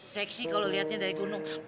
seksi kalo liatnya dari gunung